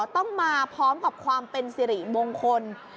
ต้องมาพร้อมกับความเป็นสิริมงคล